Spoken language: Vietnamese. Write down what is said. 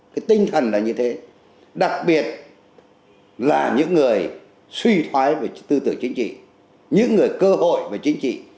cái tinh thần là như thế đặc biệt là những người suy thoái về tư tưởng chính trị những người cơ hội về chính trị